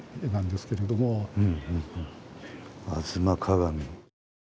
「吾妻鏡」。